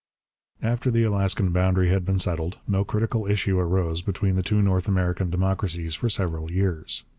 After the Alaskan boundary had been settled, no critical issue arose between the two North American democracies for several years.